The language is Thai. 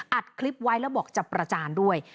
อัดคลิปไว้แล้วบอกจะประจานด้วย